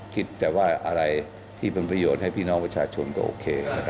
คิดแต่ว่าอะไรที่เป็นประโยชน์ให้พี่น้องประชาชนก็โอเค